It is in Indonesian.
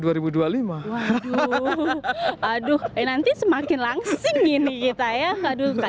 waduh nanti semakin langsing ini kita ya